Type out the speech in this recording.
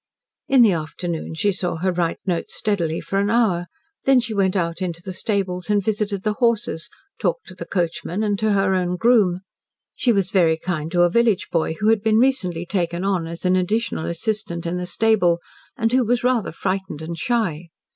In the afternoon she saw her write notes steadily for an hour, then she went out into the stables and visited the horses, talked to the coachman and to her own groom. She was very kind to a village boy who had been recently taken on as an additional assistant in the stable, and who was rather frightened and shy.